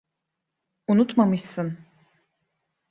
Unutmamışsın.